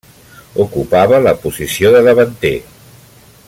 Ocupava la posició de davanter.